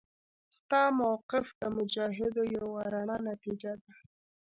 ستا موقف د مجاهدو یوه رڼه نتیجه ده.